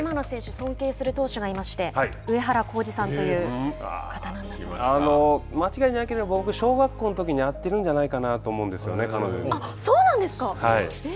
尊敬する投手がいまして間違いじゃなければ僕、小学校のときに会ってるんじゃないかなと思うんですよねそうなんですか。